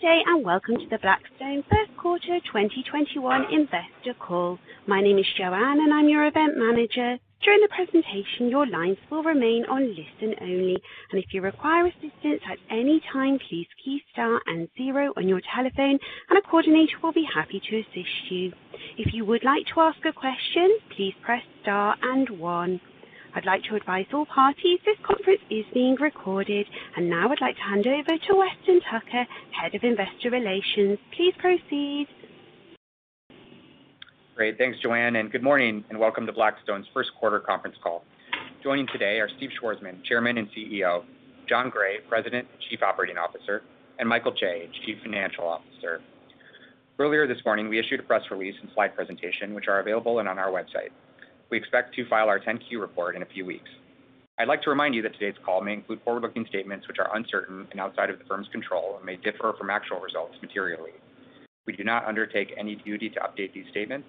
Good day, welcome to the Blackstone Q1 2021 investor call. My name is Joanne, and I'm your event manager. During the presentation, your lines will remain on listen-only, and if you require assistance at any time, please key star and zero on your telephone, and a coordinator will be happy to assist you. If you would like to ask a question, please press star and one. I'd like to advise all parties this conference is being recorded. Now I'd like to hand it over to Weston Tucker, Head of Investor Relations. Please proceed. Great. Thanks, Joanne, and good morning, and welcome to Blackstone's Q1 conference call. Joining today are Steve Schwarzman, Chairman and CEO, Jon Gray, President and Chief Operating Officer, and Michael Chae, Chief Financial Officer. Earlier this morning, we issued a press release and slide presentation, which are available and on our website. We expect to file our 10Q report in a few weeks. I'd like to remind you that today's call may include forward-looking statements which are uncertain and outside of the firm's control and may differ from actual results materially. We do not undertake any duty to update these statements.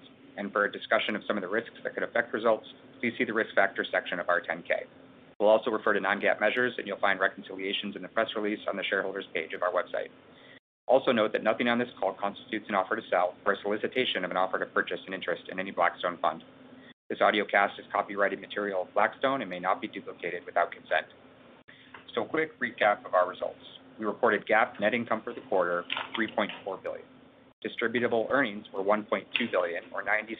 For a discussion of some of the risks that could affect results, please see the risk factors section of our 10K. We'll also refer to non-GAAP measures, and you'll find reconciliations in the press release on the shareholders page of our website. Note that nothing on this call constitutes an offer to sell or a solicitation of an offer to purchase an interest in any Blackstone fund. This audiocast is copyrighted material of Blackstone and may not be duplicated without consent. A quick recap of our results. We reported GAAP net income for the quarter, $3.4 billion. Distributable earnings were $1.2 billion, or $0.96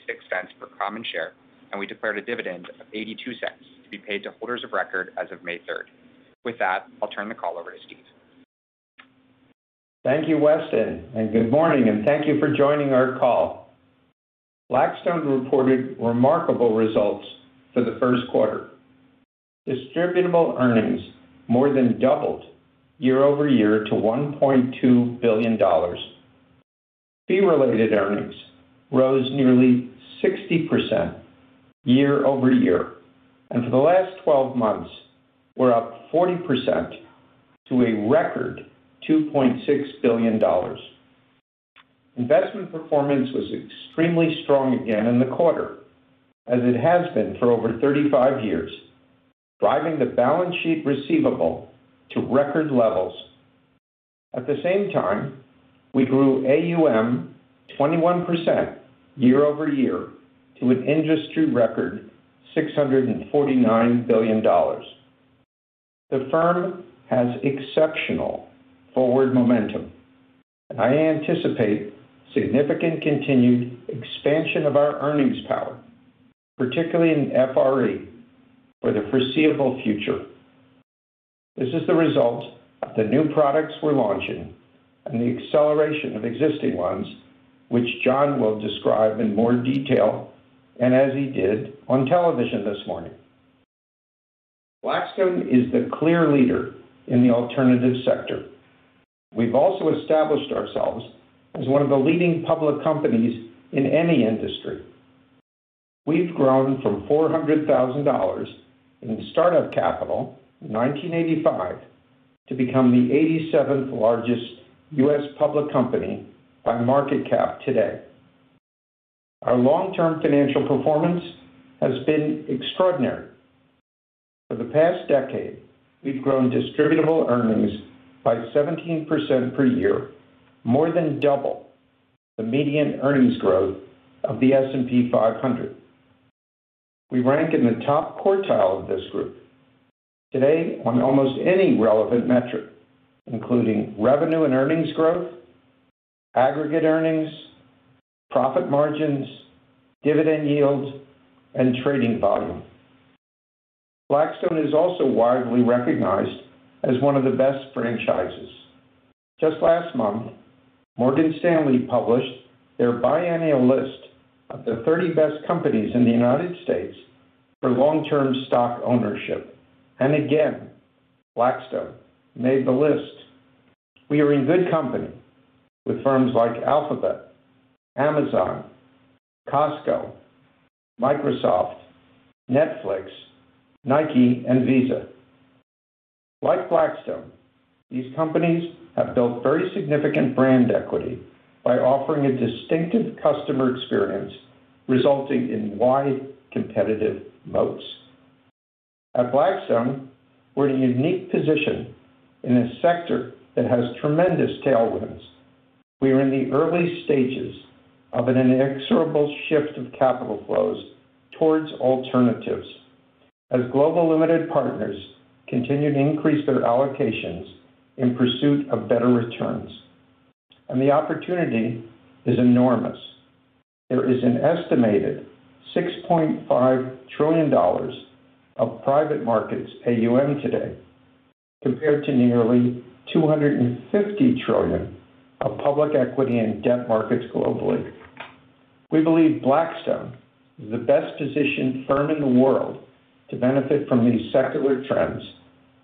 per common share, and we declared a dividend of $0.82 to be paid to holders of record as of May 3rd. With that, I'll turn the call over to Steve. Thank you, Weston, and good morning, and thank you for joining our call. Blackstone reported remarkable results for the Q1. Distributable earnings more than doubled year-over-year to $1.2 billion. Fee related earnings rose nearly 60% year-over-year. For the last 12 months, we're up 40% to a record $2.6 billion. Investment performance was extremely strong again in the quarter, as it has been for over 35 years, driving the balance sheet receivable to record levels. At the same time, we grew AUM 21% year-over-year to an industry record, $649 billion. The firm has exceptional forward momentum. I anticipate significant continued expansion of our earnings power, particularly in FRE, for the foreseeable future. This is the result of the new products we're launching and the acceleration of existing ones, which Jon will describe in more detail, and as he did on television this morning. Blackstone is the clear leader in the alternative sector. We've also established ourselves as one of the leading public companies in any industry. We've grown from $400,000 in startup capital in 1985 to become the 87th largest U.S. public company by market cap today. Our long-term financial performance has been extraordinary. For the past decade, we've grown distributable earnings by 17% per year, more than double the median earnings growth of the S&P 500. We rank in the top quartile of this group today on almost any relevant metric, including revenue and earnings growth, aggregate earnings, profit margins, dividend yield, and trading volume. Blackstone is also widely recognized as one of the best franchises. Just last month, Morgan Stanley published their biennial list of the 30 best companies in the U.S. for long-term stock ownership. Again, Blackstone made the list. We are in good company with firms like Alphabet, Amazon, Costco, Microsoft, Netflix, Nike, and Visa. Like Blackstone, these companies have built very significant brand equity by offering a distinctive customer experience resulting in wide competitive moats. At Blackstone, we're in a unique position in a sector that has tremendous tailwinds. We are in the early stages of an inexorable shift of capital flows towards alternatives as global limited partners continue to increase their allocations in pursuit of better returns. The opportunity is enormous. There is an estimated $6.5 trillion of private markets AUM today, compared to nearly $250 trillion of public equity and debt markets globally. We believe Blackstone is the best positioned firm in the world to benefit from these secular trends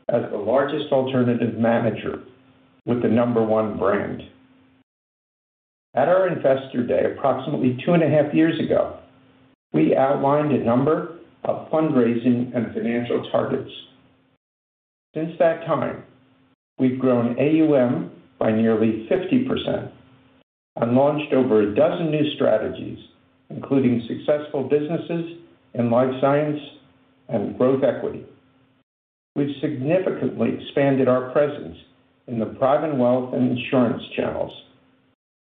as the largest alternative manager with the number one brand. At our investor day, approximately two and a half years ago, we outlined a number of fundraising and financial targets. Since that time, we've grown AUM by nearly 50%. Launched over 12 new strategies, including successful businesses in life science and growth equity. We've significantly expanded our presence in the private wealth and insurance channels.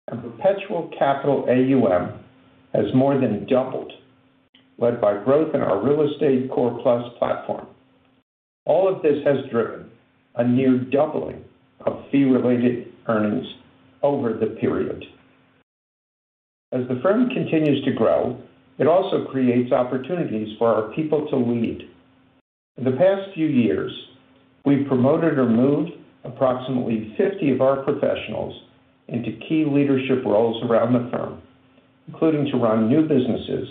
Perpetual capital AUM has more than doubled, led by growth in our real estate Core+ platform. All of this has driven a near doubling of fee-related earnings over the period. As the firm continues to grow, it also creates opportunities for our people to lead. In the past few years, we've promoted or moved approximately 50 of our professionals into key leadership roles around the firm, including to run new businesses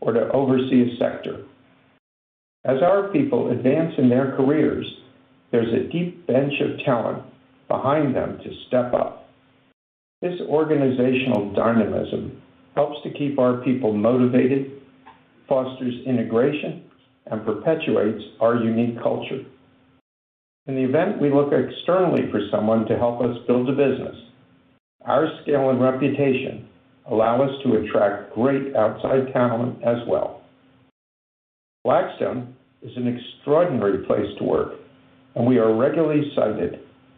or to oversee a sector. As our people advance in their careers, there's a deep bench of talent behind them to step up. This organizational dynamism helps to keep our people motivated, fosters integration, and perpetuates our unique culture. In the event we look externally for someone to help us build a business, our scale and reputation allow us to attract great outside talent as well. Blackstone is an extraordinary place to work, and we are regularly cited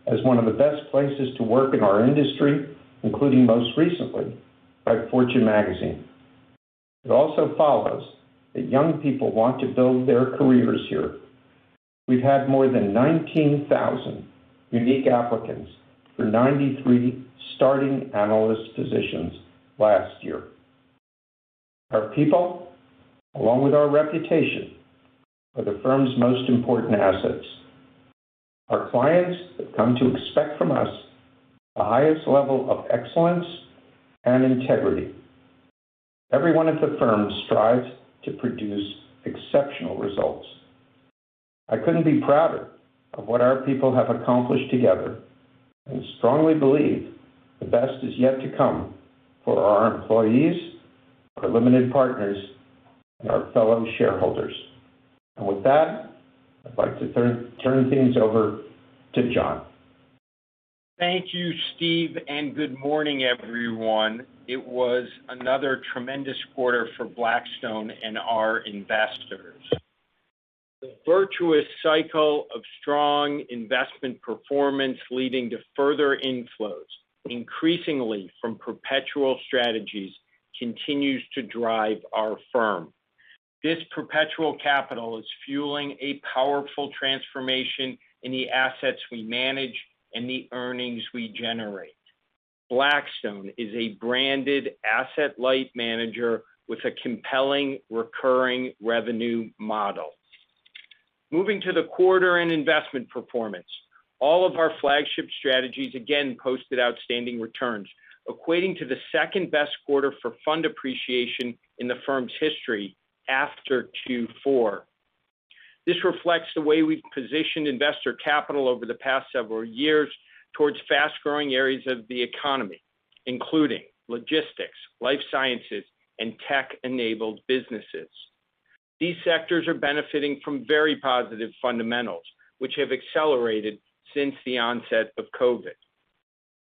as one of the best places to work in our industry, including most recently by "Fortune" magazine. It also follows that young people want to build their careers here. We've had more than 19,000 unique applicants for 93 starting analyst positions last year. Our people, along with our reputation, are the firm's most important assets. Our clients have come to expect from us the highest level of excellence and integrity. Every one of the firm strives to produce exceptional results. I couldn't be prouder of what our people have accomplished together and strongly believe the best is yet to come for our employees, our limited partners, and our fellow shareholders. With that, I'd like to turn things over to Jon. Thank you, Steve, and good morning, everyone. It was another tremendous quarter for Blackstone and our investors. The virtuous cycle of strong investment performance leading to further inflows, increasingly from perpetual strategies, continues to drive our firm. This perpetual capital is fueling a powerful transformation in the assets we manage and the earnings we generate. Blackstone is a branded asset-light manager with a compelling recurring revenue model. Moving to the quarter and investment performance. All of our flagship strategies again posted outstanding returns, equating to the second-best quarter for fund appreciation in the firm's history after Q1. This reflects the way we've positioned investor capital over the past several years towards fast-growing areas of the economy, including logistics, life sciences, and tech-enabled businesses. These sectors are benefiting from very positive fundamentals, which have accelerated since the onset of COVID.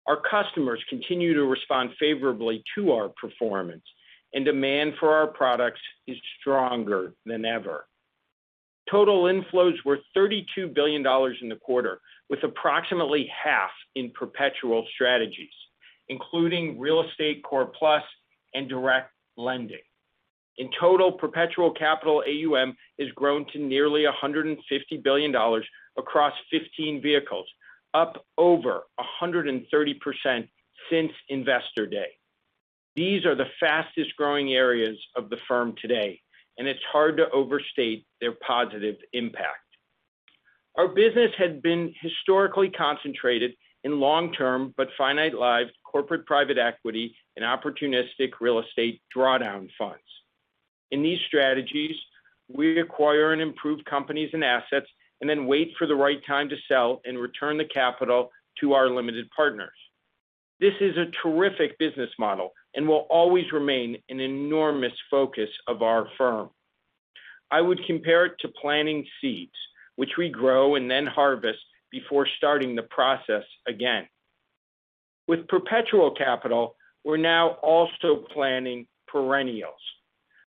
Our customers continue to respond favorably to our performance, and demand for our products is stronger than ever. Total inflows were $32 billion in the quarter, with approximately half in perpetual strategies, including real estate Core+ and direct lending. In total, perpetual capital AUM has grown to nearly $150 billion across 15 vehicles, up over 130% since Investor Day. These are the fastest-growing areas of the firm today, it's hard to overstate their positive impact. Our business had been historically concentrated in long-term but finite-lived corporate private equity and opportunistic real estate drawdown funds. In these strategies, we acquire and improve companies and assets and then wait for the right time to sell and return the capital to our limited partners. This is a terrific business model and will always remain an enormous focus of our firm. I would compare it to planting seeds, which we grow and then harvest before starting the process again. With perpetual capital, we're now also planting perennials.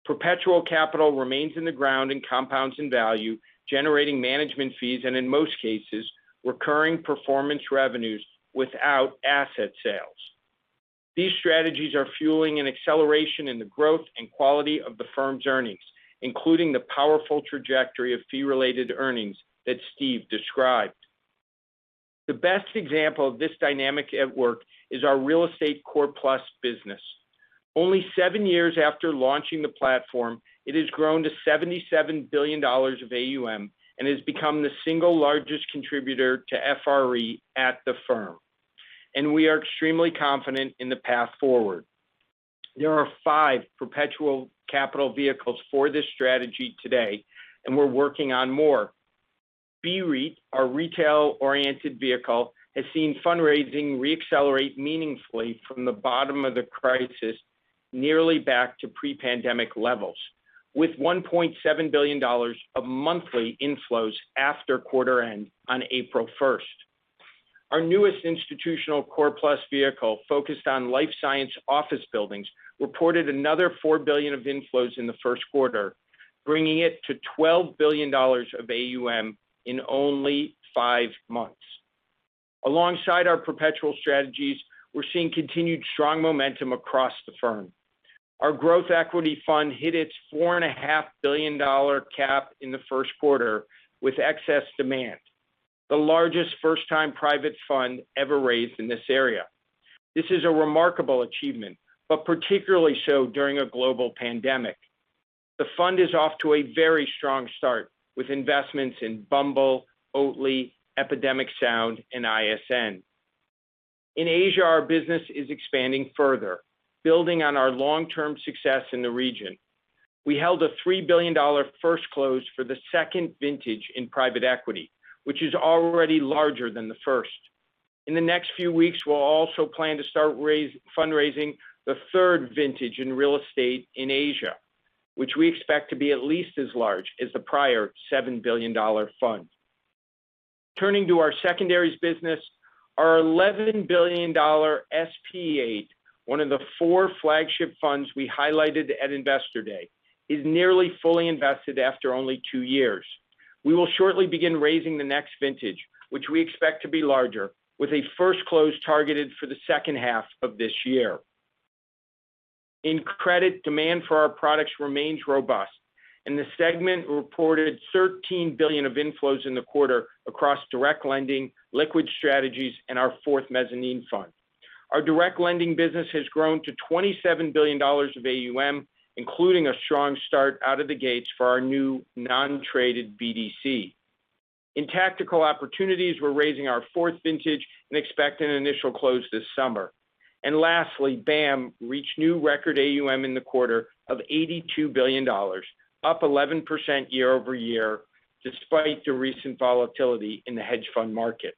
Perpetual capital remains in the ground and compounds in value, generating management fees and, in most cases, recurring performance revenues without asset sales. These strategies are fueling an acceleration in the growth and quality of the firm's earnings, including the powerful trajectory of fee-related earnings that Steve described. The best example of this dynamic at work is our real estate Core+ business. Only seven years after launching the platform, it has grown to $77 billion of AUM and has become the single largest contributor to FRE at the firm. We are extremely confident in the path forward. There are five perpetual capital vehicles for this strategy today, and we're working on more. BREIT, our retail-oriented vehicle, has seen fundraising re-accelerate meaningfully from the bottom of the crisis nearly back to pre-pandemic levels. With $1.7 billion of monthly inflows after quarter-end on April 1st. Our newest institutional Core+ vehicle, focused on life science office buildings, reported another $4 billion of inflows in the Q1, bringing it to $12 billion of AUM in only five months. Alongside our perpetual strategies, we're seeing continued strong momentum across the firm. Our growth equity fund hit its $4.5 billion cap in the Q1 with excess demand, the largest first-time private fund ever raised in this area. Particularly so during a global pandemic. The fund is off to a very strong start, with investments in Bumble, Oatly, Epidemic Sound, and ISN. In Asia, our business is expanding further, building on our long-term success in the region. We held a $3 billion first close for the second vintage in private equity, which is already larger than the first. In the next few weeks, we'll also plan to start fundraising the third vintage in real estate in Asia, which we expect to be at least as large as the prior $7 billion fund. Turning to our secondaries business, our $11 billion Strategic Partners VIII, one of the four flagship funds we highlighted at Investor Day, is nearly fully invested after only two years. We will shortly begin raising the next vintage, which we expect to be larger, with a first close targeted for the H2 of this year. In credit, demand for our products remains robust, and the segment reported $13 billion of inflows in the quarter across direct lending, liquid strategies, and our fourth mezzanine fund. Our direct lending business has grown to $27 billion of AUM, including a strong start out of the gates for our new non-traded BDC. In tactical opportunities, we're raising our fourth vintage and expect an initial close this summer. Lastly, BAAM reached new record AUM in the quarter of $82 billion, up 11% year-over-year despite the recent volatility in the hedge fund markets.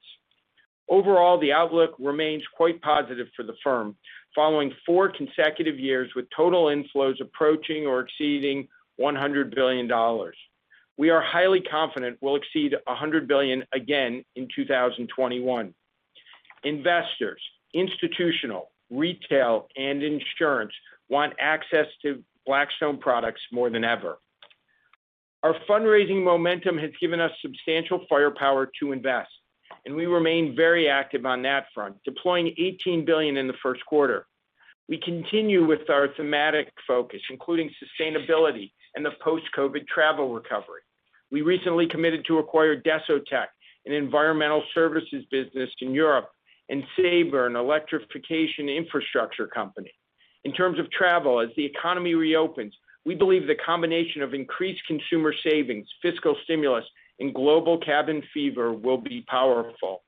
Overall, the outlook remains quite positive for the firm, following four consecutive years with total inflows approaching or exceeding $100 billion. We are highly confident we'll exceed $100 billion again in 2021. Investors, institutional, retail, and insurance want access to Blackstone products more than ever. Our fundraising momentum has given us substantial firepower to invest, and we remain very active on that front, deploying $18 billion in the Q1. We continue with our thematic focus, including sustainability and the post-COVID travel recovery. We recently committed to acquire DESOTEC, an environmental services business in Europe, and Sabre, an electrification infrastructure company. In terms of travel, as the economy reopens, we believe the combination of increased consumer savings, fiscal stimulus, and global cabin fever will be powerful.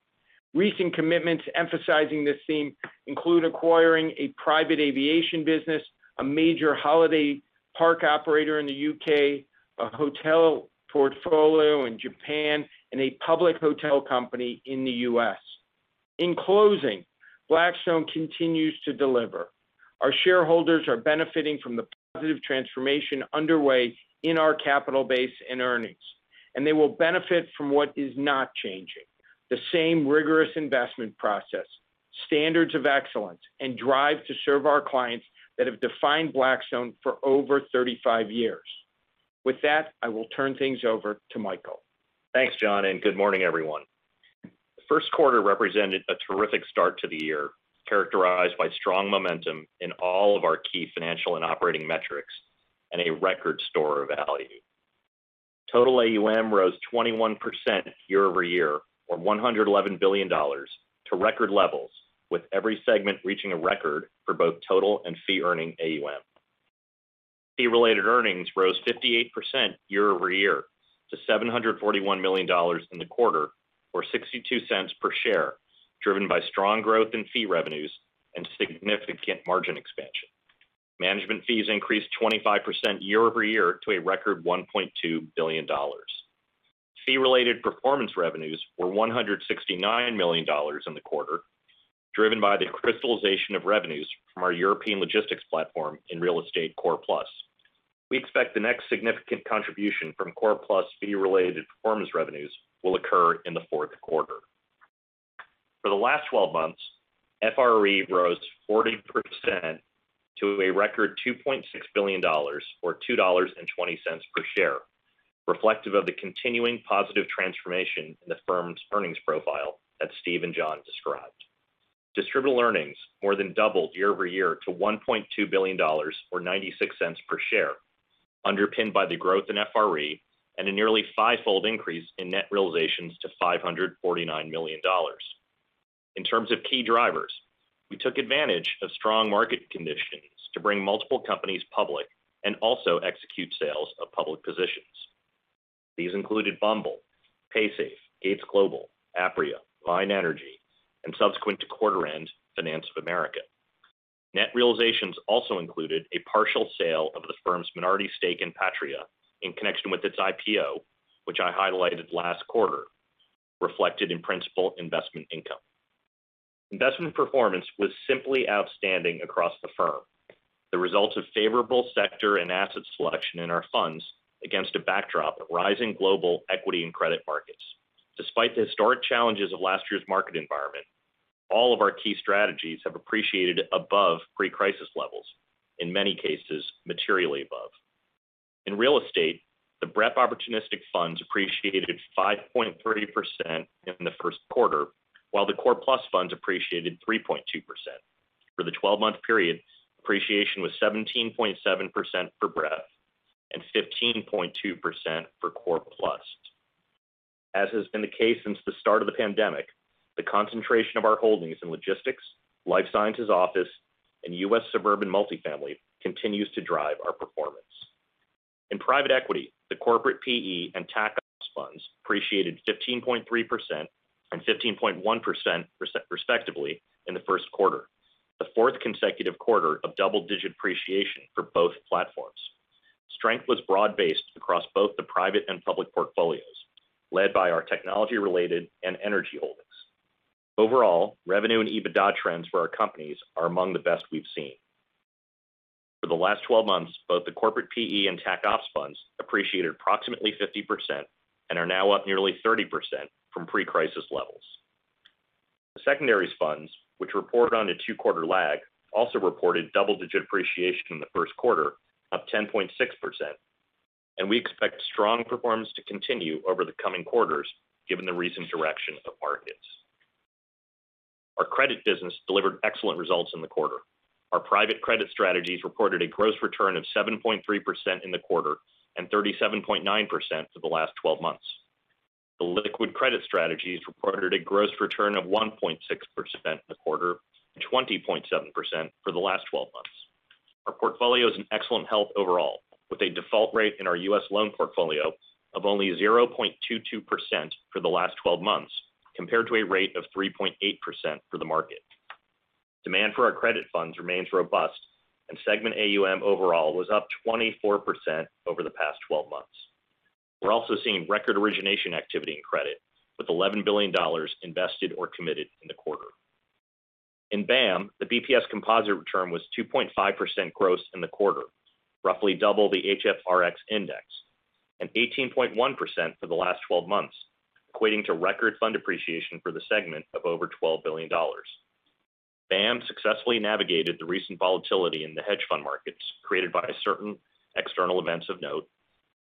Recent commitments emphasizing this theme include acquiring a private aviation business, a major holiday park operator in the U.K., a hotel portfolio in Japan, and a public hotel company in the U.S. In closing, Blackstone continues to deliver. Our shareholders are benefiting from the positive transformation underway in our capital base and earnings. They will benefit from what is not changing. The same rigorous investment process, standards of excellence, and drive to serve our clients that have defined Blackstone for over 35 years. With that, I will turn things over to Michael. Thanks, Jon, good morning, everyone. Q1 Represented a terrific start to the year, characterized by strong momentum in all of our key financial and operating metrics and a record store of value. Total AUM rose 21% year-over-year, or $111 billion to record levels, with every segment reaching a record for both total and fee-earning AUM. Fee-related earnings rose 58% year-over-year to $741 million in the quarter, or $0.62 per share, driven by strong growth in fee revenues and significant margin expansion. Management fees increased 25% year-over-year to a record $1.2 billion. Fee-related performance revenues were $169 million in the quarter, driven by the crystallization of revenues from our European logistics platform in Real Estate Core+. We expect the next significant contribution from Core+ fee-related performance revenues will occur in the Q4. For the last 12 months, FRE rose 40% to a record $2.6 billion, or $2.20 per share, reflective of the continuing positive transformation in the firm's earnings profile that Steve and Jon described. Distributable earnings more than doubled year-over-year to $1.2 billion, or $0.96 per share, underpinned by the growth in FRE and a nearly fivefold increase in net realizations to $549 million. In terms of key drivers, we took advantage of strong market conditions to bring multiple companies public and also execute sales of public positions. These included Bumble, Paysafe, Gates Industrial Corporation, Apria, Vine Energy, and subsequent to quarter-end, Finance of America. Net realizations also included a partial sale of the firm's minority stake in Patria in connection with its IPO, which I highlighted last quarter, reflected in principal investment income. Investment performance was simply outstanding across the firm. The result of favorable sector and asset selection in our funds against a backdrop of rising global equity and credit markets. Despite the historic challenges of last year's market environment, all of our key strategies have appreciated above pre-crisis levels, in many cases, materially above. In real estate, the BREP opportunistic funds appreciated 5.3% in the Q1, while the Core+ funds appreciated 3.2%. For the 12-month period, appreciation was 17.7% for BREP, and 15.2% for Core+. As has been the case since the start of the pandemic, the concentration of our holdings in logistics, life sciences office, and U.S. suburban multifamily continues to drive our performance. In private equity, the corporate PE and Tac Opps funds appreciated 15.3% and 15.1% respectively in the Q1, the fourth consecutive quarter of double-digit appreciation for both platforms. Strength was broad-based across both the private and public portfolios, led by our technology-related and energy holdings. Overall, revenue and EBITDA trends for our companies are among the best we've seen. For the last 12 months, both the corporate PE and Tac Opps funds appreciated approximately 50% and are now up nearly 30% from pre-crisis levels. The secondaries funds, which report on a two-quarter lag, also reported double-digit appreciation in the Q1, up 10.6%, and we expect strong performance to continue over the coming quarters given the recent direction of markets. Our credit business delivered excellent results in the quarter. Our private credit strategies reported a gross return of 7.3% in the quarter and 37.9% for the last 12 months. The liquid credit strategies reported a gross return of 1.6% in the quarter and 20.7% for the last 12 months. Our portfolio is in excellent health overall, with a default rate in our U.S. loan portfolio of only 0.22% for the last 12 months, compared to a rate of 3.8% for the market. Demand for our credit funds remains robust, and segment AUM overall was up 24% over the past 12 months. We're also seeing record origination activity in credit, with $11 billion invested or committed in the quarter. In BAAM, the bps composite return was 2.5% gross in the quarter, roughly double the HFRX index, and 18.1% for the last 12 months, equating to record fund appreciation for the segment of over $12 billion. BAAM successfully navigated the recent volatility in the hedge fund markets, created by certain external events of note,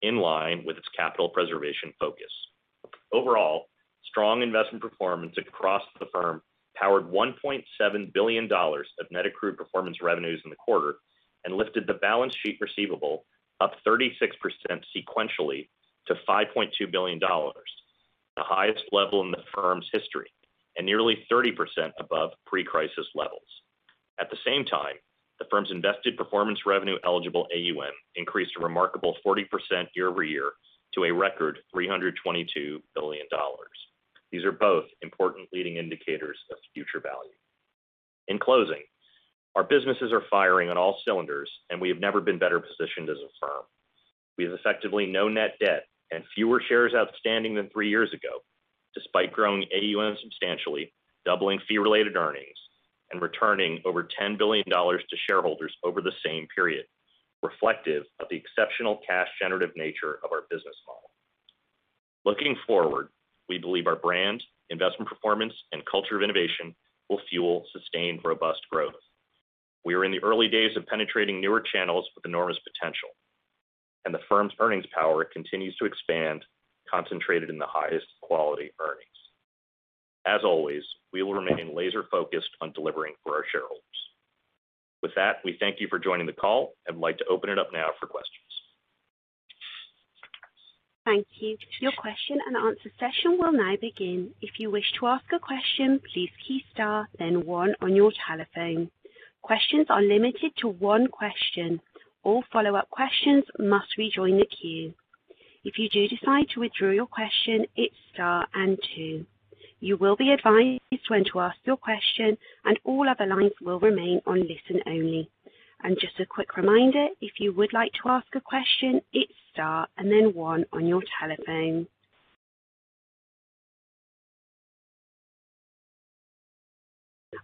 in line with its capital preservation focus. Overall, strong investment performance across the firm powered $1.7 billion of net accrued performance revenues in the quarter and lifted the balance sheet receivable up 36% sequentially to $5.2 billion, the highest level in the firm's history, and nearly 30% above pre-crisis levels. At the same time, the firm's invested performance revenue eligible AUM increased a remarkable 40% year-over-year to a record $322 billion. These are both important leading indicators of future value. In closing, our businesses are firing on all cylinders, and we have never been better positioned as a firm. We have effectively no net debt and fewer shares outstanding than three years ago, despite growing AUM substantially, doubling fee-related earnings, and returning over $10 billion to shareholders over the same period, reflective of the exceptional cash generative nature of our business model. Looking forward, we believe our brand, investment performance, and culture of innovation will fuel sustained, robust growth. We are in the early days of penetrating newer channels with enormous potential, and the firm's earnings power continues to expand, concentrated in the highest quality earnings. As always, we will remain laser-focused on delivering for our shareholders. With that, we thank you for joining the call and would like to open it up now for questions. Thank you. Your question-and-answer session will now begin. If you wish to ask a question, please key star and one on your telephone. Questions are limited to one question. All follow-up questions must rejoin the queue. If you do decide to withdraw your question, it's star and two. You will be advised to ask your question and all other lines will remain in listen-only. And just a quick reminder, if you would like to ask a question it's star and then one on your telephone.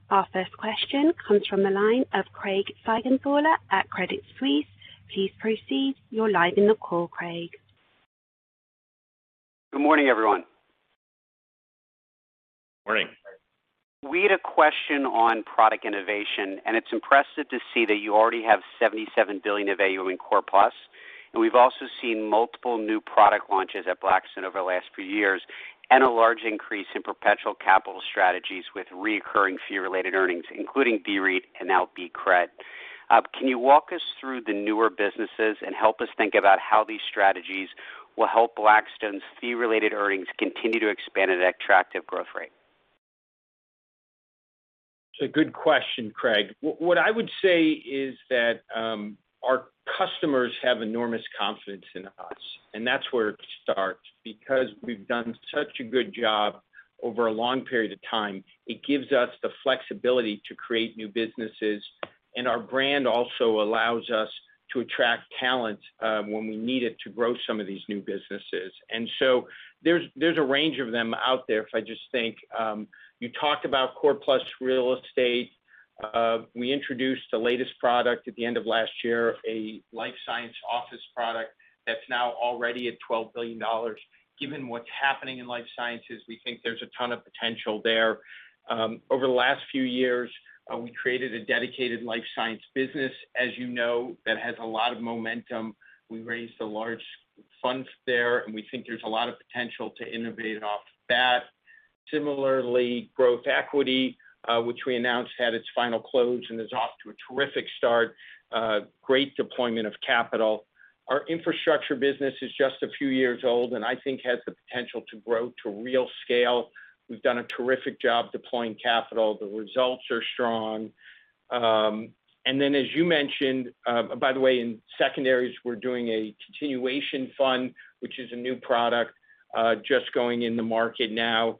Our first question comes from the line of Craig Siegenthaler at Credit Suisse. Please proceed. You're live in the call, Craig. Good morning, everyone. Morning. We had a question on product innovation, and it's impressive to see that you already have $77 billion of AUM in Core+, and we've also seen multiple new product launches at Blackstone over the last few years, and a large increase in perpetual capital strategies with recurring fee-related earnings, including BREIT and now BCRED. Can you walk us through the newer businesses and help us think about how these strategies will help Blackstone's fee-related earnings continue to expand at an attractive growth rate? It's a good question, Craig. What I would say is that our customers have enormous confidence in us, and that's where it starts. Because we've done such a good job over a long period of time, it gives us the flexibility to create new businesses Our brand also allows us to attract talent when we need it to grow some of these new businesses. There's a range of them out there, if I just think. You talked about Core+ real estate. We introduced the latest product at the end of last year, a life science office product that's now already at $12 billion. Given what's happening in life sciences, we think there's a ton of potential there. Over the last few years, we created a dedicated life science business, as you know, that has a lot of momentum. We raised a large fund there, we think there's a lot of potential to innovate off that. Similarly, growth equity, which we announced had its final close and is off to a terrific start. Great deployment of capital. Our infrastructure business is just a few years old, and I think has the potential to grow to real scale. We've done a terrific job deploying capital. The results are strong. Then, as you mentioned, by the way, in secondaries, we're doing a continuation fund, which is a new product, just going in the market now.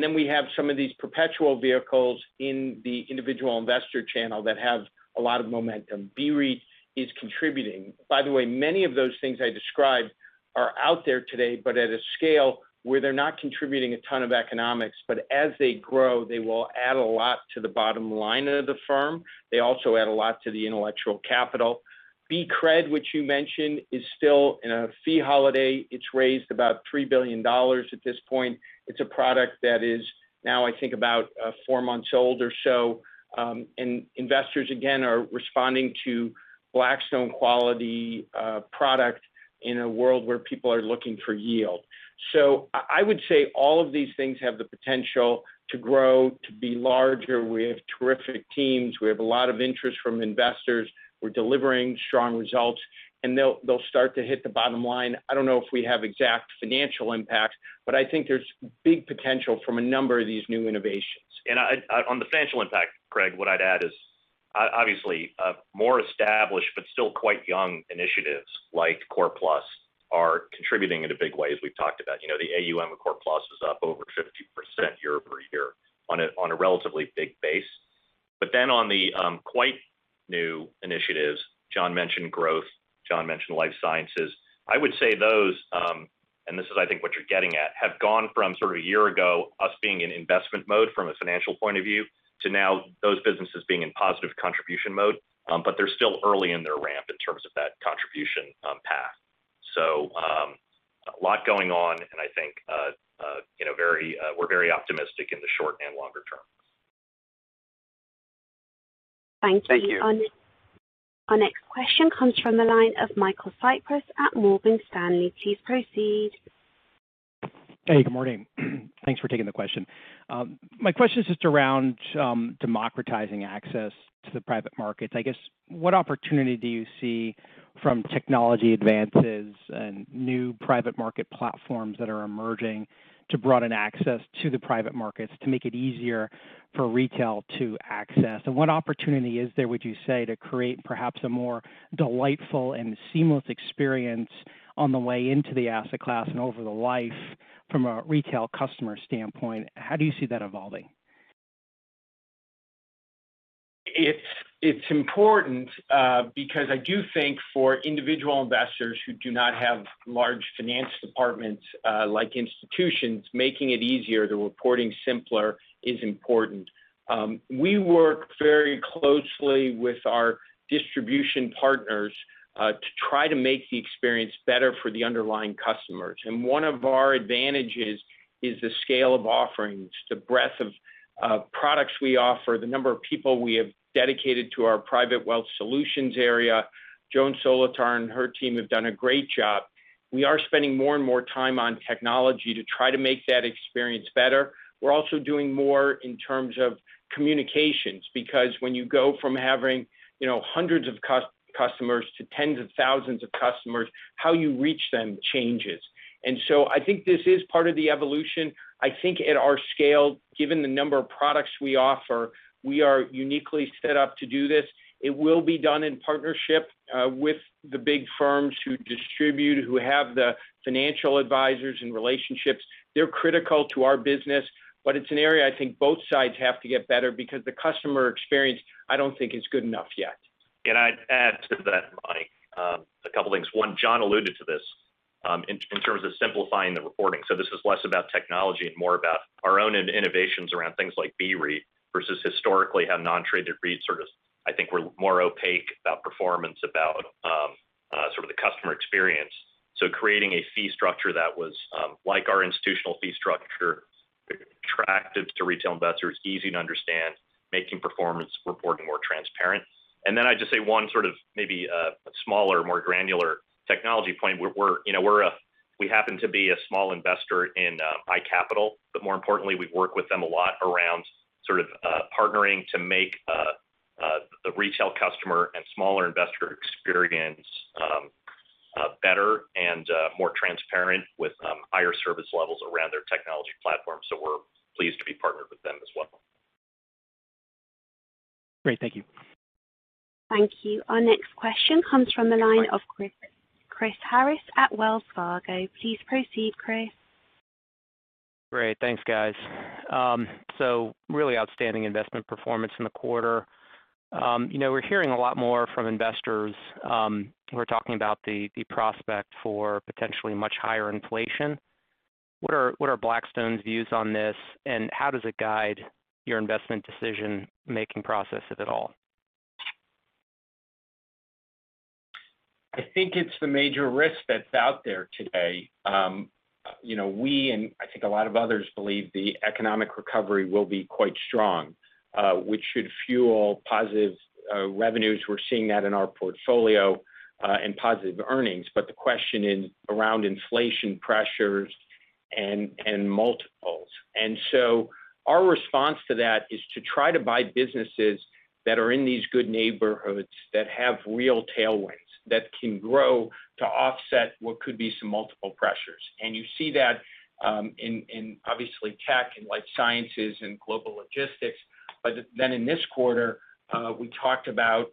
Then we have some of these perpetual vehicles in the individual investor channel that have a lot of momentum. BREIT is contributing. By the way, many of those things I described are out there today, but at a scale where they're not contributing a ton of economics, but as they grow, they will add a lot to the bottom line of the firm. They also add a lot to the intellectual capital. BCRED, which you mentioned, is still in a fee holiday. It's raised about $3 billion at this point. It's a product that is now, I think, about four months old or so. Investors, again, are responding to Blackstone quality product in a world where people are looking for yield. I would say all of these things have the potential to grow, to be larger. We have terrific teams. We have a lot of interest from investors. We're delivering strong results, and they'll start to hit the bottom line. I don't know if we have exact financial impact, but I think there's big potential from a number of these new innovations. On the financial impact, Craig, what I'd add is obviously more established but still quite young initiatives like Core+ are contributing in a big way, as we've talked about. The AUM of Core+ is up over 50% year-over-year on a relatively big base. On the quite new initiatives, Jon mentioned growth, Jon mentioned life sciences. I would say those, and this is, I think, what you're getting at, have gone from sort of a year ago, us being in investment mode from a financial point of view, to now those businesses being in positive contribution mode. They're still early in their ramp in terms of that contribution path. A lot going on, and I think we're very optimistic in the short and longer-term. Thank you. Thank you. Our next question comes from the line of Michael Cyprys at Morgan Stanley. Please proceed. Hey, good morning. Thanks for taking the question. My question is just around democratizing access to the private markets. I guess, what opportunity do you see from technology advances and new private market platforms that are emerging to broaden access to the private markets, to make it easier for retail to access? What opportunity is there, would you say, to create perhaps a more delightful and seamless experience on the way into the asset class and over the life from a retail customer standpoint? How do you see that evolving? It's important because I do think for individual investors who do not have large finance departments, like institutions, making it easier, the reporting simpler is important. We work very closely with our distribution partners to try to make the experience better for the underlying customers. One of our advantages is the scale of offerings, the breadth of products we offer, the number of people we have dedicated to our Private Wealth Solutions area. Joan Solotar and her team have done a great job. We are spending more and more time on technology to try to make that experience better. We're also doing more in terms of communications, because when you go from having hundreds of customers to tens of thousands of customers, how you reach them changes. I think this is part of the evolution. I think at our scale, given the number of products we offer, we are uniquely set up to do this. It will be done in partnership with the big firms who distribute, who have the financial advisors and relationships. They're critical to our business. It's an area I think both sides have to get better because the customer experience, I don't think is good enough yet. I'd add to that, Mike, a couple things. One, Jon alluded to this, in terms of simplifying the reporting. This is less about technology and more about our own innovations around things like BREIT versus historically how non-traded REITs sort of, I think, were more opaque about performance, about sort of the customer experience. Creating a fee structure that was like our institutional fee structure, attractive to retail investors, easy to understand, making performance reporting more transparent. I'd just say one sort of maybe a smaller, more granular technology point where we happen to be a small investor in iCapital, but more importantly, we work with them a lot around sort of partnering to make the retail customer and smaller investor experience better and more transparent with higher service levels around their technology platform. We're pleased to be partnered with them as well. Great. Thank you. Thank you. Our next question comes from the line of Chris Harris at Wells Fargo. Please proceed, Chris. Great. Thanks, guys. Really outstanding investment performance in the quarter. We're hearing a lot more from investors who are talking about the prospect for potentially much higher inflation. What are Blackstone's views on this, and how does it guide your investment decision-making processes at all? I think it's the major risk that's out there today. We, and I think a lot of others, believe the economic recovery will be quite strong, which should fuel positive revenues. We're seeing that in our portfolio, and positive earnings. The question is around inflation pressures and multiples. Our response to that is to try to buy businesses that are in these good neighborhoods, that have real tailwinds, that can grow to offset what could be some multiple pressures. You see that in, obviously tech and life sciences and global logistics. In this quarter, we talked about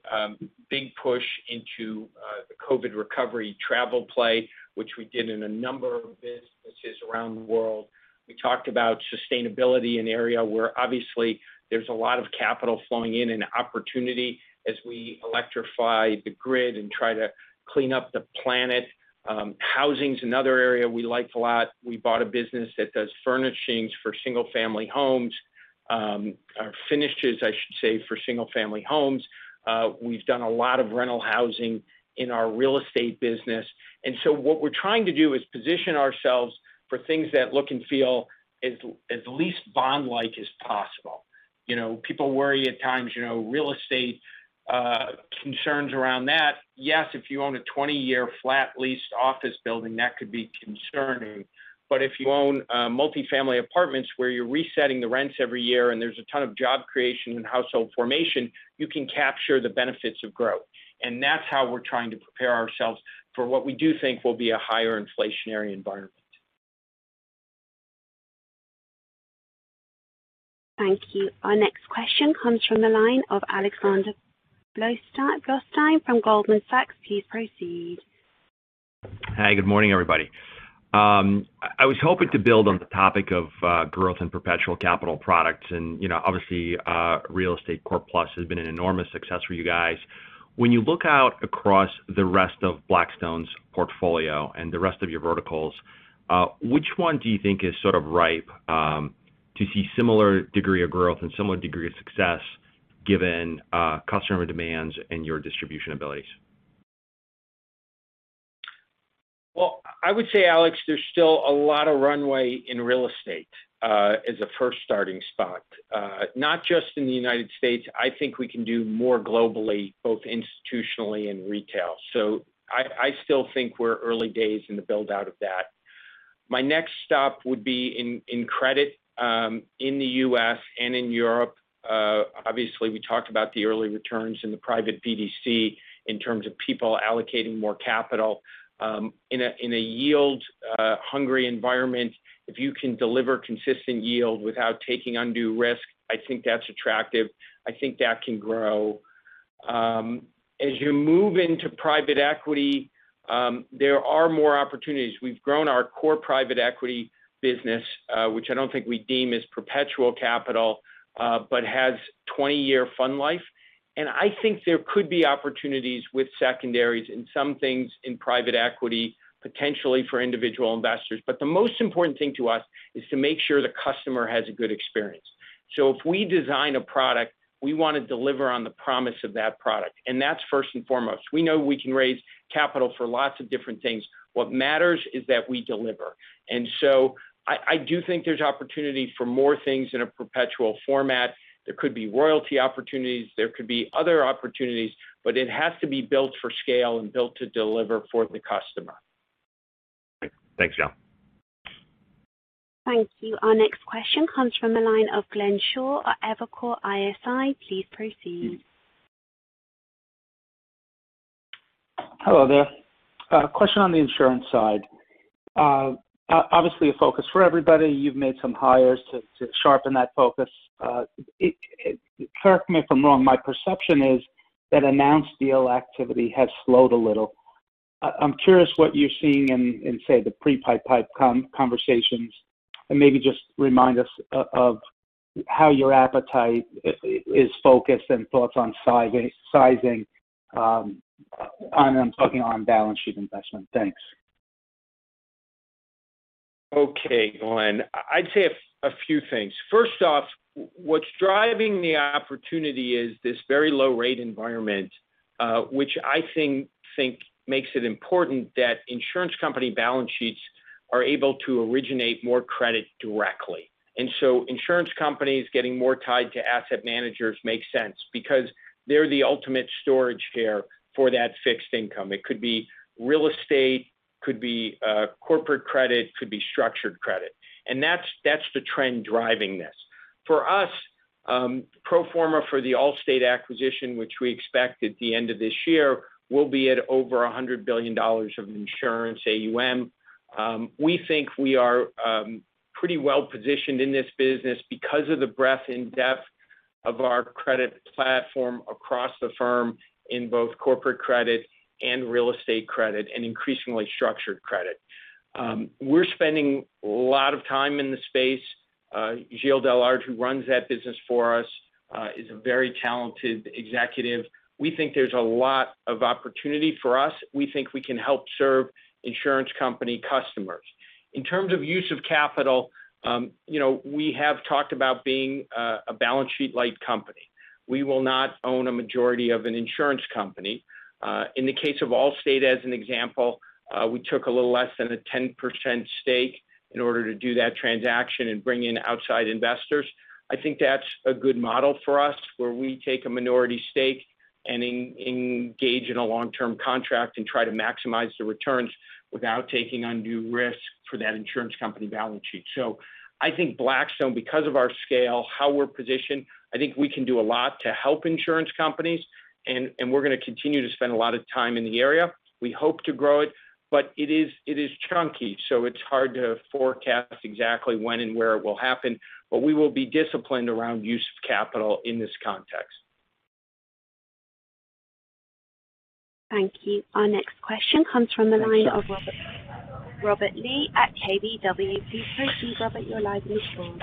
big push into the COVID recovery travel play, which we did in a number of businesses around the world. We talked about sustainability, an area where obviously there's a lot of capital flowing in and opportunity as we electrify the grid and try to clean up the planet. Housing's another area we liked a lot. We bought a business that does furnishings for single-family homes. Finishes, I should say, for single-family homes. We've done a lot of rental housing in our real estate business. What we're trying to do is position ourselves for things that look and feel as least bond-like as possible. People worry at times, real estate, concerns around that. Yes, if you own a 20-year flat leased office building, that could be concerning. If you own multi-family apartments where you're resetting the rents every year and there's a ton of job creation and household formation, you can capture the benefits of growth. That's how we're trying to prepare ourselves for what we do think will be a higher inflationary environment. Thank you. Our next question comes from the line of Alexander Blostein from Goldman Sachs. Please proceed. Hi. Good morning, everybody. I was hoping to build on the topic of growth and perpetual capital products. Obviously, Real Estate Core+ has been an enormous success for you guys. When you look out across the rest of Blackstone's portfolio and the rest of your verticals, which one do you think is sort of ripe to see similar degree of growth and similar degree of success given customer demands and your distribution abilities? Well, I would say, Alex, there's still a lot of runway in real estate as a first starting spot. Not just in the U.S. I think we can do more globally, both institutionally and retail. I still think we're early days in the build-out of that. My next stop would be in credit in the U.S. and in Europe. Obviously, we talked about the early returns in the private BDC in terms of people allocating more capital. In a yield-hungry environment, if you can deliver consistent yield without taking undue risk, I think that's attractive. I think that can grow. As you move into private equity, there are more opportunities. We've grown our Core+ private equity business, which I don't think we deem as perpetual capital, but has 20-year fund life. I think there could be opportunities with secondaries in some things in private equity, potentially for individual investors. The most important thing to us is to make sure the customer has a good experience. If we design a product, we want to deliver on the promise of that product. That's first and foremost. We know we can raise capital for lots of different things. What matters is that we deliver. I do think there's opportunity for more things in a perpetual format. There could be royalty opportunities. There could be other opportunities. It has to be built for scale and built to deliver for the customer. Thanks, Jon. Thank you. Our next question comes from the line of Glenn Schorr at Evercore ISI. Please proceed. Hello there. A question on the insurance side. Obviously a focus for everybody. You've made some hires to sharpen that focus. Correct me if I'm wrong, my perception is that announced deal activity has slowed a little. I'm curious what you're seeing in, say, the pre-pipe conversations, and maybe just remind us of how your appetite is focused and thoughts on sizing. I'm talking on balance sheet investment. Thanks. Okay, Glenn. I'd say a few things. First off, what's driving the opportunity is this very low rate environment, which I think makes it important that insurance company balance sheets are able to originate more credit directly. Insurance companies getting more tied to asset managers makes sense because they're the ultimate storage share for that fixed income. It could be real estate, could be corporate credit, could be structured credit. That's the trend driving this. For us, pro forma for the Allstate acquisition, which we expect at the end of this year, will be at over $100 billion of insurance AUM. We think we are pretty well-positioned in this business because of the breadth and depth of our credit platform across the firm in both corporate credit and real estate credit, and increasingly structured credit. We're spending a lot of time in the space. Gilles Dellaert, who runs that business for us, is a very talented executive. We think there's a lot of opportunity for us. We think we can help serve insurance company customers. In terms of use of capital, we have talked about being a balance sheet-light company. We will not own a majority of an insurance company. In the case of Allstate, as an example, we took a little less than a 10% stake in order to do that transaction and bring in outside investors. I think that's a good model for us, where we take a minority stake and engage in a long-term contract, and try to maximize the returns without taking on new risk for that insurance company balance sheet. I think Blackstone, because of our scale, how we're positioned, I think we can do a lot to help insurance companies, and we're going to continue to spend a lot of time in the area. We hope to grow it. It is chunky, so it's hard to forecast exactly when and where it will happen. We will be disciplined around use of capital in this context. Thank you. Our next question comes from the line of Robert Lee at KBW. Please proceed, Robert, your line is through.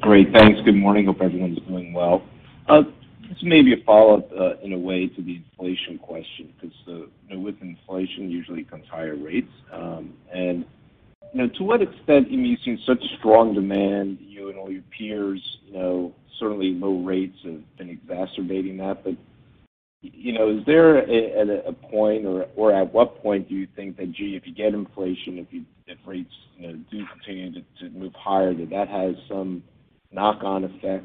Great. Thanks. Good morning. Hope everyone's doing well. This may be a follow-up, in a way, to the inflation question, because with inflation usually comes higher rates. To what extent, you've seen such strong demand, you and all your peers. Certainly low rates have been exacerbating that. Is there a point, or at what point do you think that, gee, if you get inflation, if rates do continue to move higher, that that has some knock-on effect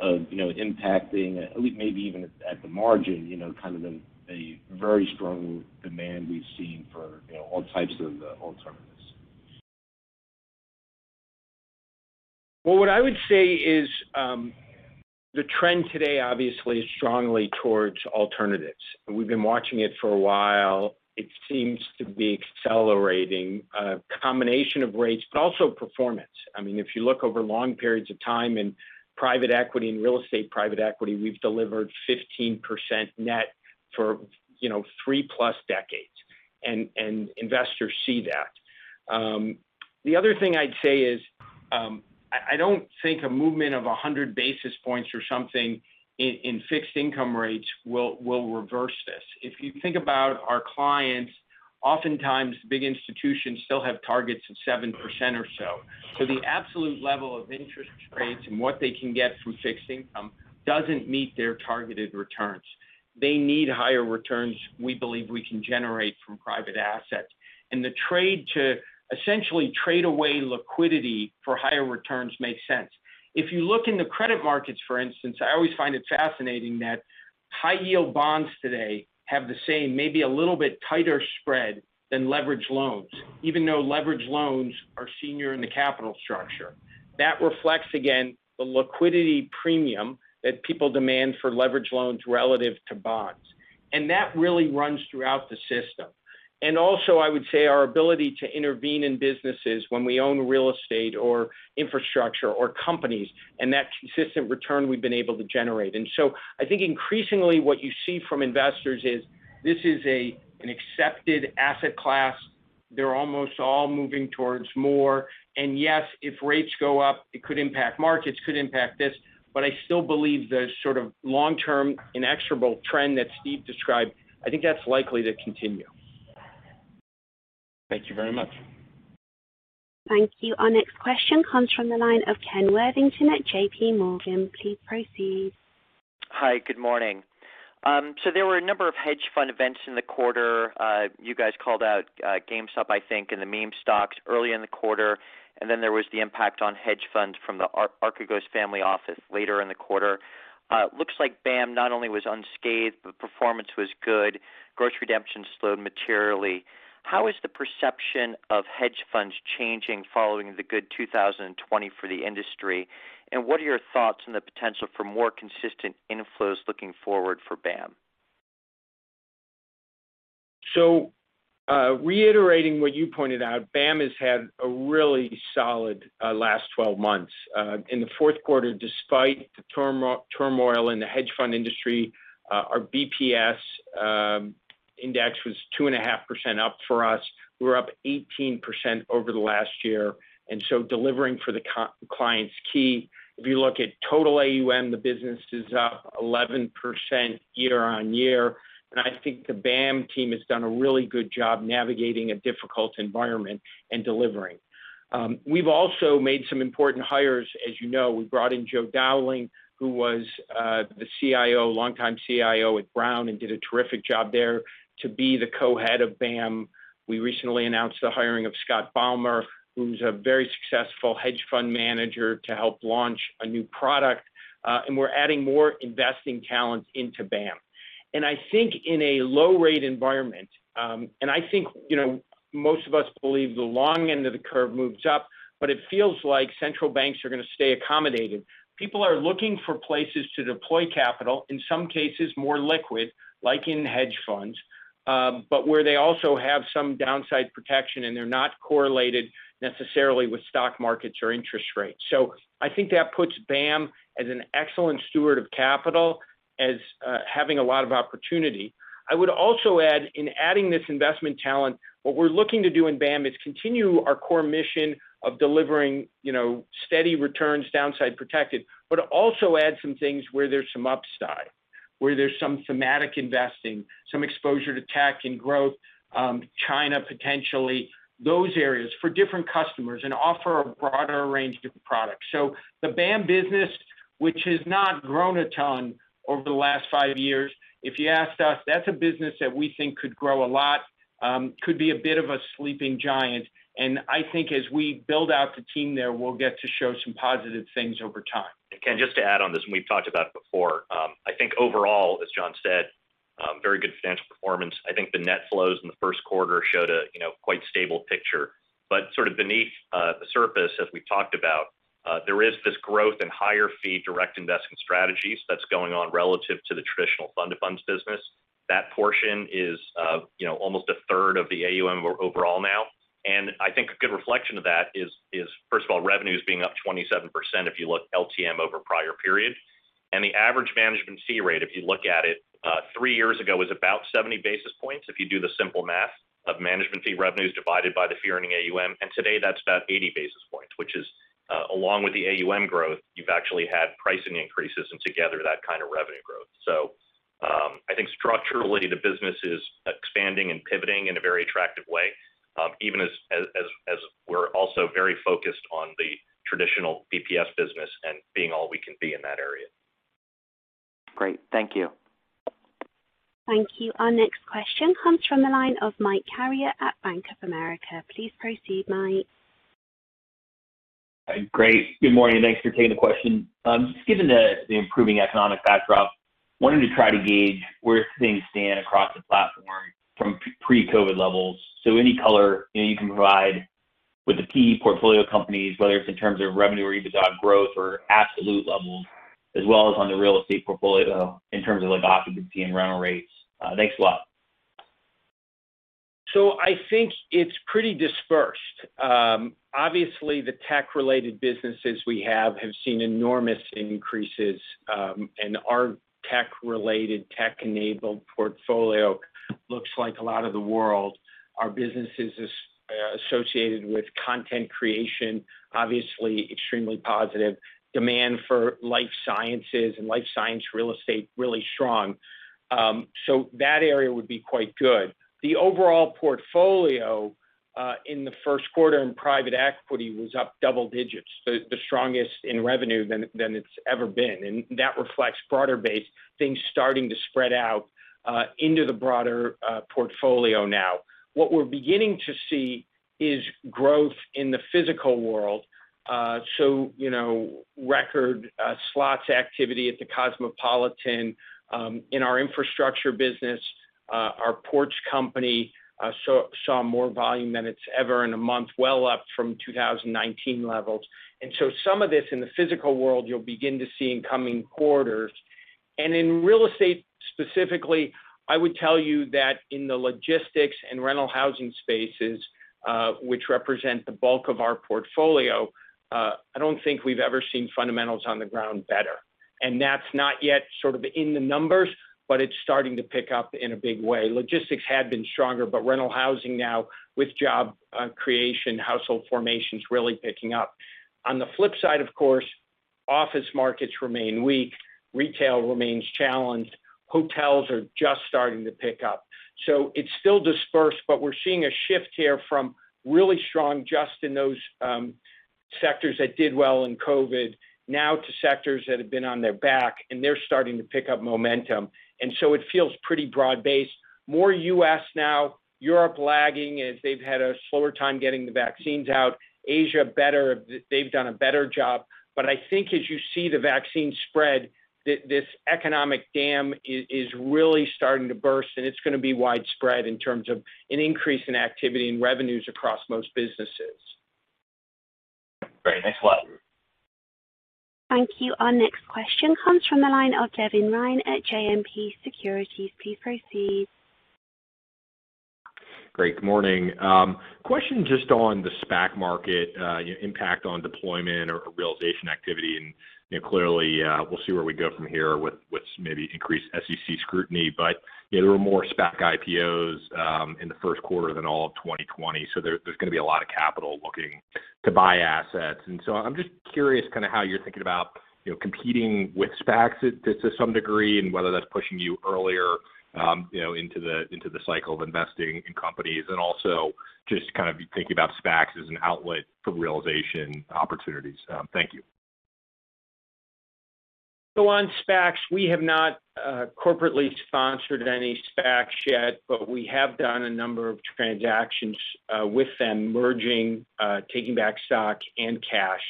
of impacting, at maybe even at the margin, kind of the very strong demand we've seen for all types of alternatives? Well, what I would say is the trend today, obviously, is strongly towards alternatives. We've been watching it for a while. It seems to be accelerating a combination of rates, but also performance. If you look over long periods of time in private equity and real estate private equity, we've delivered 15% net for 3+ decades. Investors see that. The other thing I'd say is, I don't think a movement of 100 basis points or something in fixed income rates will reverse this. If you think about our clients, oftentimes big institutions still have targets of 7% or so. The absolute level of interest rates and what they can get from fixed income doesn't meet their targeted returns. They need higher returns we believe we can generate from private assets. The trade to essentially trade away liquidity for higher returns makes sense. If you look in the credit markets, for instance, I always find it fascinating that high-yield bonds today have the same, maybe a little bit tighter spread than leverage loans, even though leverage loans are senior in the capital structure. That reflects, again, the liquidity premium that people demand for leverage loans relative to bonds. That really runs throughout the system. Also, I would say our ability to intervene in businesses when we own real estate or infrastructure or companies, and that consistent return we've been able to generate. I think increasingly what you see from investors is this is an accepted asset class. They're almost all moving towards more. Yes, if rates go up, it could impact markets, it could impact this. I still believe the sort of long-term, inexorable trend that Steve described, I think that's likely to continue. Thank you very much. Thank you. Our next question comes from the line of Kenneth Worthington at J.P. Morgan. Please proceed. Hi. Good morning. There were a number of hedge fund events in the quarter. You guys called out GameStop, I think, and the meme stocks early in the quarter, and then there was the impact on hedge funds from the Archegos family office later in the quarter. Looks like BAAM not only was unscathed, but performance was good. Gross redemptions slowed materially. How is the perception of hedge funds changing following the good 2020 for the industry? What are your thoughts on the potential for more consistent inflows looking forward for BAAM? Reiterating what you pointed out, BAAM has had a really solid last 12 months. In the Q4, despite the turmoil in the hedge fund industry, our BPS index was 2.5% up for us. We were up 18% over the last year. Delivering for the client's key. If you look at total AUM, the business is up 11% year-on-year. I think the BAAM team has done a really good job navigating a difficult environment and delivering. We've also made some important hires. As you know, we brought in Joe Dowling, who was the longtime CIO at Brown and did a terrific job there to be the co-head of BAAM. We recently announced the hiring of Scott Bommer, who's a very successful hedge fund manager, to help launch a new product. We're adding more investing talent into BAAM. I think in a low-rate environment, I think most of us believe the long end of the curve moves up, but it feels like central banks are going to stay accommodating. People are looking for places to deploy capital, in some cases more liquid, like in hedge funds, but where they also have some downside protection and they're not correlated necessarily with stock markets or interest rates. I think that puts BAAM as an excellent steward of capital, as having a lot of opportunity. In adding this investment talent, what we're looking to do in BAAM is continue our core mission of delivering steady returns, downside protected, but also add some things where there's some upside, where there's some thematic investing, some exposure to tech and growth, China potentially. Those areas for different customers, and offer a broader range of different products. The BAAM business, which has not grown a ton over the last five years, if you asked us, that's a business that we think could grow a lot, could be a bit of a sleeping giant. I think as we build out the team there, we'll get to show some positive things over time. Kenneth Worthington, just to add on this, we've talked about it before. I think overall, as Jon Gray said, very good financial performance. I think the net flows in the Q1 showed a quite stable picture. Sort of beneath the surface, as we've talked about, there is this growth in higher fee direct investing strategies that's going on relative to the traditional fund-of-funds business. That portion is almost a third of the AUM overall now. I think a good reflection of that is first of all, revenues being up 27% if you look LTM over prior periods. The average management fee rate, if you look at it, three years ago was about 70 basis points, if you do the simple math of management fee revenues divided by the fee earning AUM. Today, that's about 80 basis points, which is along with the AUM growth, you've actually had pricing increases and together that kind of revenue growth. I think structurally the business is expanding and pivoting in a very attractive way. Even as we're also very focused on the traditional BPS business and being all we can be in that area. Great. Thank you. Thank you. Our next question comes from the line of Michael Carrier at Bank of America. Please proceed, Mike. Great. Good morning, and thanks for taking the question. Just given the improving economic backdrop, wanting to try to gauge where things stand across the platform from pre-COVID levels. Any color you can provide with the key portfolio companies, whether it's in terms of revenue or EBITDA growth or absolute levels, as well as on the real estate portfolio in terms of occupancy and rental rates. Thanks a lot. I think it's pretty dispersed. Obviously, the tech-related businesses we have have seen enormous increases, and our tech-related, tech-enabled portfolio looks like a lot of the world. Our businesses associated with content creation obviously extremely positive. Demand for life sciences and life science real estate really strong. That area would be quite good. The overall portfolio in the Q1 in private equity was up double digits, the strongest in revenue than it's ever been. That reflects broader base things starting to spread out into the broader portfolio now. What we're beginning to see is growth in the physical world. Record slots activity at The Cosmopolitan. In our infrastructure business, our ports company saw more volume than it's ever in a month, well up from 2019 levels. Some of this in the physical world you'll begin to see in coming quarters. In real estate specifically, I would tell you that in the logistics and rental housing spaces, which represent the bulk of our portfolio, I don't think we've ever seen fundamentals on the ground better. That's not yet sort of in the numbers, but it's starting to pick up in a big way. Logistics had been stronger, but rental housing now with job creation, household formation's really picking up. On the flip side, of course, office markets remain weak. Retail remains challenged. Hotels are just starting to pick up. It's still dispersed, but we're seeing a shift here from really strong just in those sectors that did well in COVID now to sectors that have been on their back, and they're starting to pick up momentum. It feels pretty broad-based. More U.S. now. Europe lagging as they've had a slower time getting the vaccines out. Asia better, they've done a better job. I think as you see the vaccine spread, this economic dam is really starting to burst, and it's going to be widespread in terms of an increase in activity and revenues across most businesses. Great. Thanks a lot. Thank you. Our next question comes from the line of Devin Ryan at JMP Securities. Please proceed. Great. Good morning. Question just on the SPAC market, impact on deployment or realization activity. Clearly, we'll see where we go from here with maybe increased SEC scrutiny. There were more SPAC IPOs in the Q1 than all of 2020. There's going to be a lot of capital looking to buy assets. I'm just curious kind of how you're thinking about competing with SPACs to some degree and whether that's pushing you earlier into the cycle of investing in companies, and also just kind of thinking about SPACs as an outlet for realization opportunities. Thank you. On SPACs, we have not corporately sponsored any SPACs yet, but we have done a number of transactions with them, merging, taking back stock, and cash.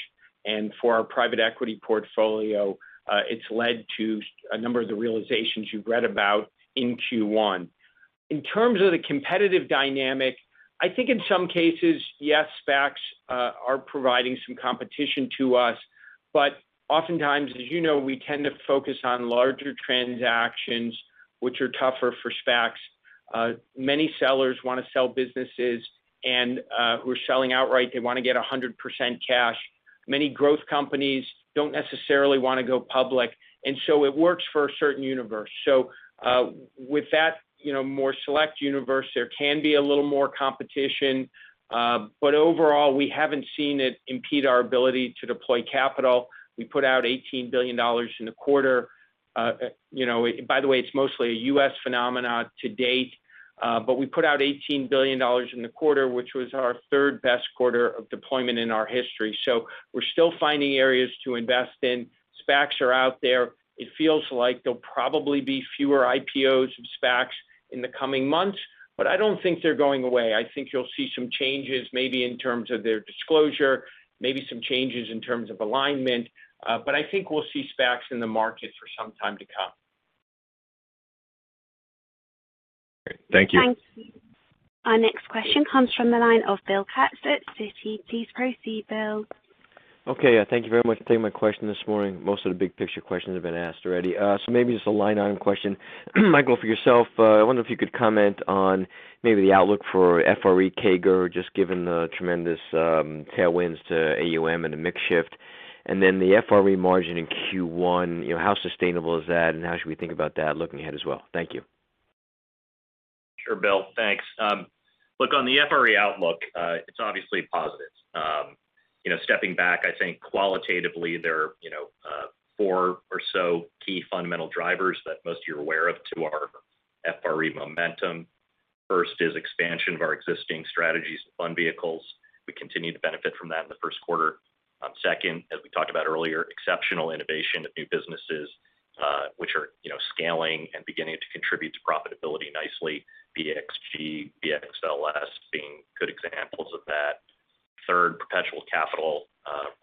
For our private equity portfolio, it's led to a number of the realizations you've read about in Q1. In terms of the competitive dynamic, I think in some cases, yes, SPACs are providing some competition to us, but oftentimes, as you know, we tend to focus on larger transactions, which are tougher for SPACs. Many sellers want to sell businesses and who are selling outright, they want to get 100% cash. Many growth companies don't necessarily want to go public. It works for a certain universe. With that more select universe, there can be a little more competition. Overall, we haven't seen it impede our ability to deploy capital. We put out $18 billion in the quarter. By the way, it's mostly a U.S. phenomenon to-date. We put out $18 billion in the quarter, which was our third-best quarter of deployment in our history. We're still finding areas to invest in. SPACs are out there. It feels like there'll probably be fewer IPOs of SPACs in the coming months, but I don't think they're going away. I think you'll see some changes maybe in terms of their disclosure, maybe some changes in terms of alignment. I think we'll see SPACs in the market for some time to come. Great. Thank you. Thank you. Our next question comes from the line of William Katz at Citi. Please proceed, Bill. Okay. Thank you very much for taking my question this morning. Most of the big-picture questions have been asked already. Maybe just a line item question. Michael, for yourself, I wonder if you could comment on maybe the outlook for FRE CAGR, just given the tremendous tailwinds to AUM and the mix shift. The FRE margin in Q1, how sustainable is that, and how should we think about that looking ahead as well? Thank you. Sure, William Katz. Thanks. Look, on the FRE outlook, it's obviously positive. Stepping back, I think qualitatively there are four or so key fundamental drivers that most of you are aware of to our FRE momentum. First is expansion of our existing strategies and fund vehicles. We continued to benefit from that in the Q1. Second, as we talked about earlier, exceptional innovation of new businesses, which are scaling and beginning to contribute to profitability nicely, BXG, BXSL being good examples of that. Third, perpetual capital,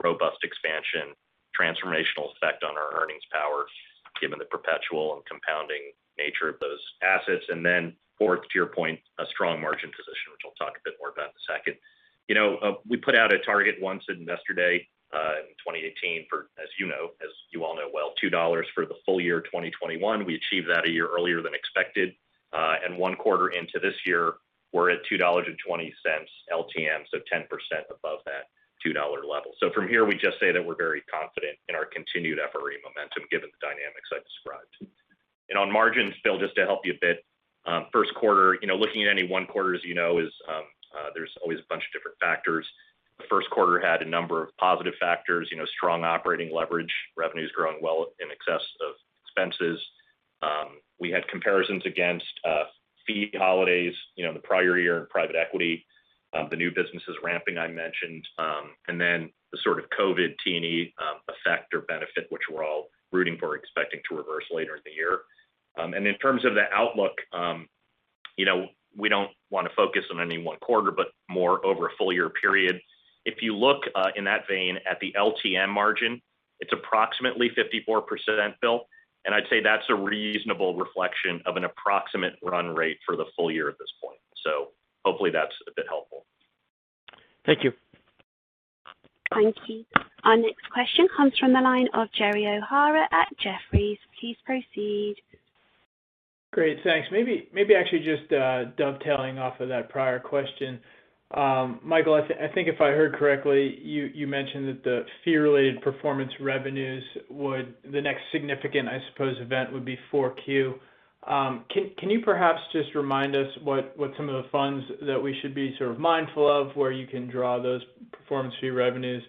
robust expansion, transformational effect on our earnings power, given the perpetual and compounding nature of those assets. Then fourth, to your point, a strong margin position, which I'll talk a bit more about in a second. We put out a target once at Investor Day in 2018 for, as you all know well, $2 for the full=year 2021. We achieved that a year earlier than expected. one quarter into this year, we're at $2.20 LTM, so 10% above that $2 level. From here, we just say that we're very confident in our continued FRE momentum, given the dynamics I described. On margins, Bill, just to help you a bit. Q1, looking at any one quarter, as you know, there's always a bunch of different factors. The Q1 had a number of positive factors. Strong operating leverage, revenues growing well in excess of expenses. We had comparisons against fee holidays in the prior year in private equity. The new businesses ramping I mentioned. Then the sort of COVID T&E effect or benefit, which we're all rooting for, expecting to reverse later in the year. In terms of the outlook, we don't want to focus on any one quarter, but more over a full-year period. If you look in that vein at the LTM margin, it's approximately 54%, Bill, and I'd say that's a reasonable reflection of an approximate run rate for the full year at this point. Hopefully that's a bit helpful. Thank you. Thank you. Our next question comes from the line of Gerald O'Hara at Jefferies. Please proceed. Great. Thanks. Maybe actually just dovetailing off of that prior question. Michael Chae, I think if I heard correctly, you mentioned that the fee-related performance revenues would, the next significant, I suppose, event would be 4Q. Can you perhaps just remind us what some of the funds that we should be sort of mindful of, where you can draw those performance fee revenues,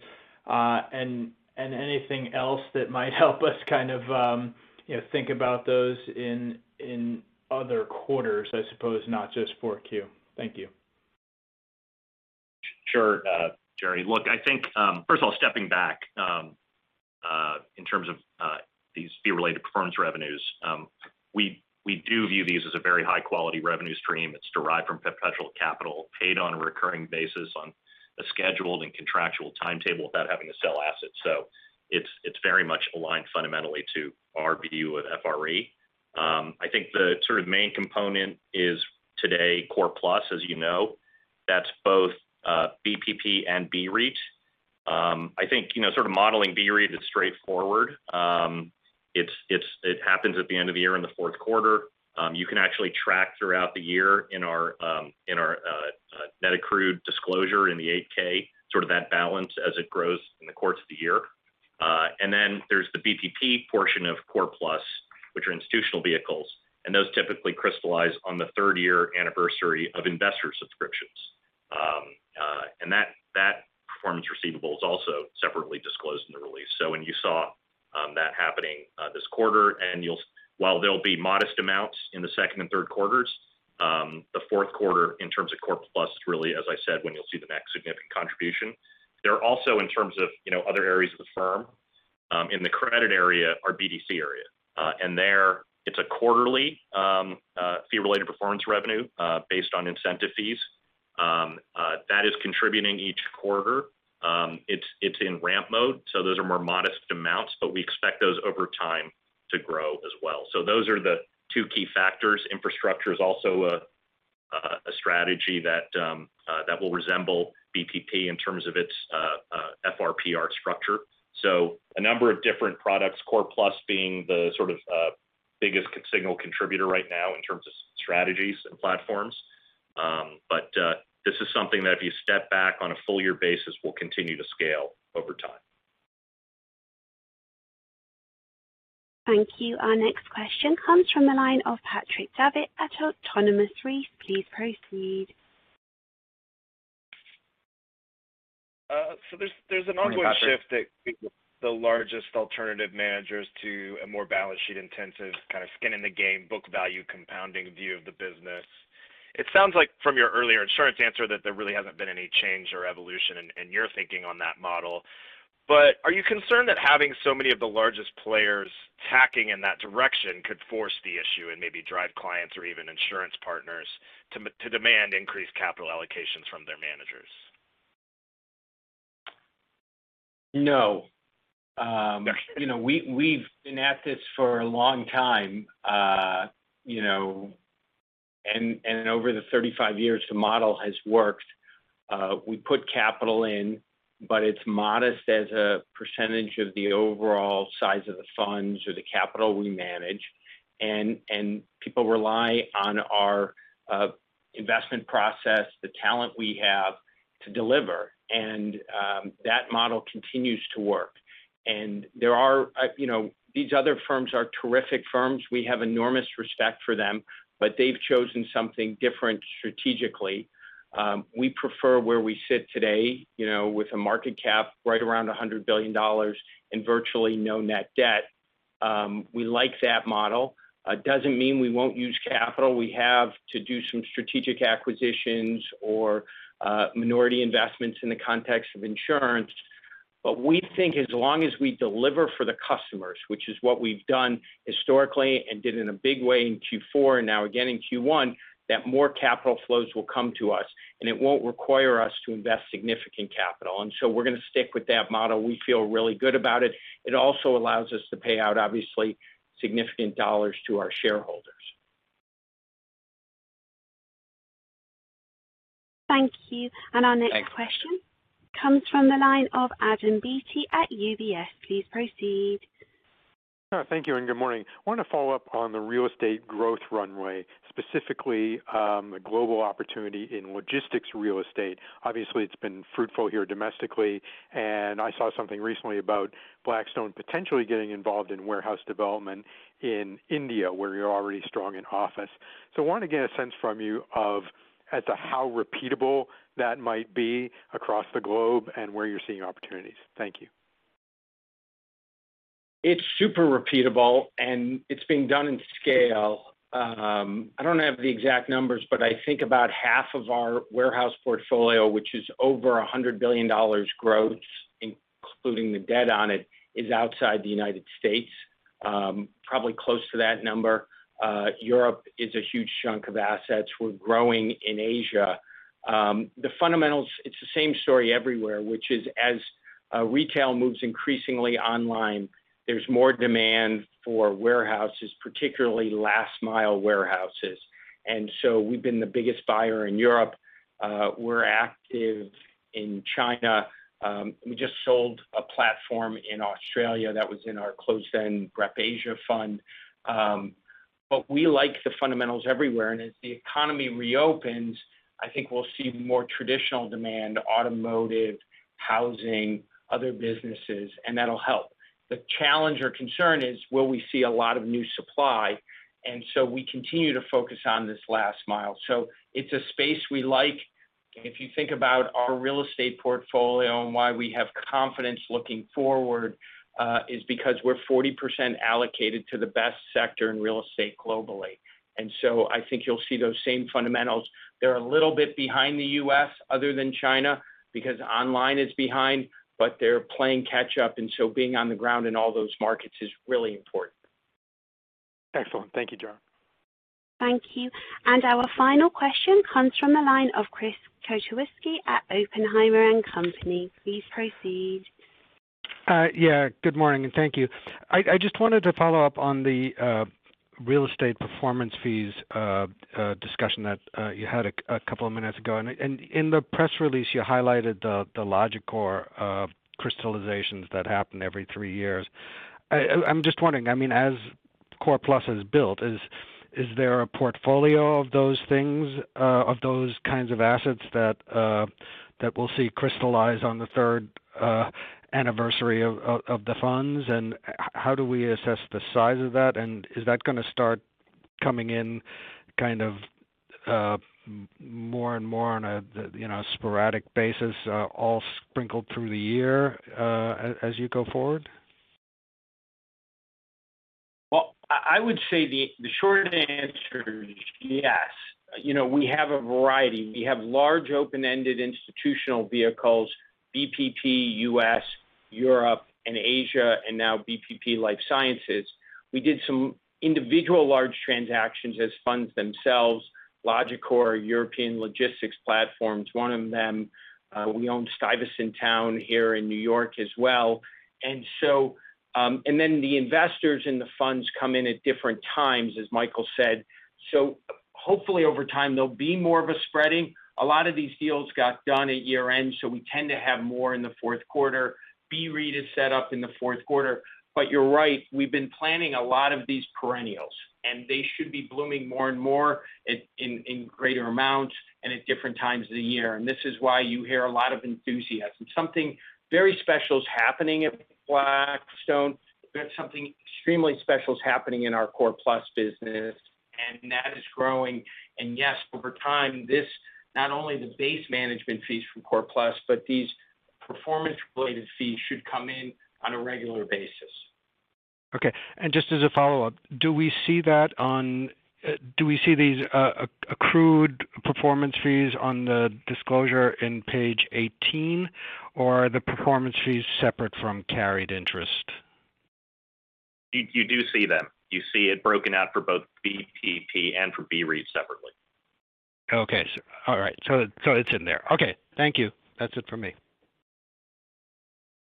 and anything else that might help us kind of think about those in other quarters, I suppose, not just 4Q? Thank you. Sure, Jerry. Look, I think, first of all, stepping back in terms of these fee-related performance revenues, we do view these as a very high-quality revenue stream. It's derived from perpetual capital, paid on a recurring basis on a scheduled and contractual timetable without having to sell assets. It's very much aligned fundamentally to our view of FRE. I think the sort of main component is today Core+, as you know. That's both BPP and BREIT. I think sort of modeling BREIT is straightforward. It happens at the end of the year in the Q4. You can actually track throughout the year in our net accrued disclosure in the 8-K, sort of that balance as it grows in the course of the year. Then there's the BPP portion of Core+, which are institutional vehicles, and those typically crystallize on the third year anniversary of investor subscriptions. That performance receivable is also separately disclosed in the release. When you saw that happening this quarter, while there'll be modest amounts in the second and third quarters, the Q4 in terms of Core+ is really, as I said, when you'll see the next significant contribution. There are also in terms of other areas of the firm, in the credit area, our BDC area. There it's a quarterly fee-related performance revenue based on incentive fees. That is contributing each quarter. It's in ramp mode, so those are more modest amounts, but we expect those over time to grow as well. Those are the two key factors. Infrastructure is also a strategy that will resemble BPP in terms of its FRPR structure. A number of different products, Core+ being the sort of biggest single contributor right now in terms of strategies and platforms. This is something that if you step back on a full year basis will continue to scale over time. Thank you. Our next question comes from the line of Patrick Davitt at Autonomous Research. Please proceed. So there's an ongoing- Morning, Patrick shift that the largest alternative managers to a more balance sheet intensive kind of skin in the game, book value compounding view of the business. It sounds like from your earlier insurance answer that there really hasn't been any change or evolution in your thinking on that model. Are you concerned that having so many of the largest players tacking in that direction could force the issue and maybe drive clients or even insurance partners to demand increased capital allocations from their managers? No. We've been at this for a long time. Over the 35 years, the model has worked. We put capital in, but it's modest as a percentage of the overall size of the funds or the capital we manage. People rely on our investment process, the talent we have to deliver. That model continues to work. These other firms are terrific firms. We have enormous respect for them, but they've chosen something different strategically. We prefer where we sit today, with a market cap right around $100 billion and virtually no net debt. We like that model. Doesn't mean we won't use capital. We have to do some strategic acquisitions or minority investments in the context of insurance. We think as long as we deliver for the customers, which is what we've done historically and did in a big way in Q4, and now again in Q1, that more capital flows will come to us, and it won't require us to invest significant capital. We're going to stick with that model. We feel really good about it. It also allows us to pay out, obviously, significant dollars to our shareholders. Thank you. Thanks. Our next question comes from the line of Adam Beatty at UBS. Please proceed. Thank you. Good morning. I want to follow up on the real estate growth runway, specifically, the global opportunity in logistics real estate. Obviously, it's been fruitful here domestically, and I saw something recently about Blackstone potentially getting involved in warehouse development in India, where you're already strong in office. I wanted to get a sense from you of as to how repeatable that might be across the globe and where you're seeing opportunities. Thank you. It's super repeatable, and it's being done in scale. I don't have the exact numbers, but I think about half of our warehouse portfolio, which is over $100 billion gross, including the debt on it, is outside the U.S. Probably close to that number. Europe is a huge chunk of assets. We're growing in Asia. The fundamentals, it's the same story everywhere, which is as retail moves increasingly online, there's more demand for warehouses, particularly last mile warehouses. We've been the biggest buyer in Europe. We're active in China. We just sold a platform in Australia that was in our closed-end BREP Asia fund. We like the fundamentals everywhere. As the economy reopens, I think we'll see more traditional demand, automotive, housing, other businesses, and that'll help. The challenge or concern is, will we see a lot of new supply? We continue to focus on this last mile. It's a space we like. If you think about our real estate portfolio and why we have confidence looking forward, is because we're 40% allocated to the best sector in real estate globally. I think you'll see those same fundamentals. They're a little bit behind the U.S. other than China, because online is behind, but they're playing catch up. Being on the ground in all those markets is really important. Excellent. Thank you, Jon. Thank you. Our final question comes from the line of Chris Kotowski at Oppenheimer and Company. Please proceed. Yeah. Good morning, and thank you. I just wanted to follow-up on the real estate performance fees discussion that you had a couple of minutes ago. In the press release, you highlighted the Logicor crystallizations that happen every three years. I'm just wondering, as Core+ is built, is there a portfolio of those kinds of assets that we'll see crystallize on the third anniversary of the funds, and how do we assess the size of that, and is that going to start coming in kind of more and more on a sporadic basis all sprinkled through the year as you go forward? I would say the short answer is yes. We have a variety. We have large open-ended institutional vehicles, BPP, U.S., Europe, and Asia, and now BPP Life Sciences. We did some individual large transactions as funds themselves, Logicor, European Logistics Platform is one of them. We own Stuyvesant Town here in New York as well. The investors in the funds come in at different times, as Michael said. Hopefully over time, there'll be more of a spreading. A lot of these deals got done at year-end, so we tend to have more in the Q4. BREIT is set up in the Q4. You're right, we've been planning a lot of these perennials, and they should be blooming more and more in greater amounts and at different times of the year. This is why you hear a lot of enthusiasm. Something very special is happening at Blackstone. There's something extremely special is happening in our Core+ business, that is growing. Yes, over time, this, not only the base management fees from Core+, but these performance-related fees should come in on a regular basis. Okay. Just as a follow-up, do we see these accrued performance fees on the disclosure in page 18, or are the performance fees separate from carried interest? You do see them. You see it broken out for both BPP and for BREIT separately. Okay. All right. It's in there. Okay. Thank you. That's it for me.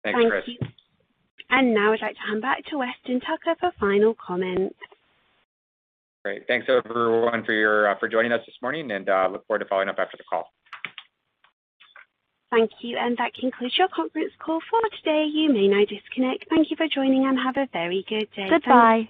Thanks, Chris. Thank you. Now I'd like to hand back to Weston Tucker for final comments. Great. Thanks everyone for joining us this morning, and look forward to following up after the call. Thank you. That concludes your conference call for today. You may now disconnect. Thank you for joining, and have a very good day. Goodbye.